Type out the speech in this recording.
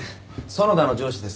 園田の上司です。